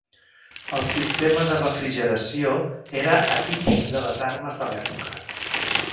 El sistema de refrigeració era atípic de les armes de l'època.